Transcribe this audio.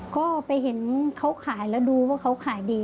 ก็ไปเห็นเขาขายแล้วดูว่าเขาขายดี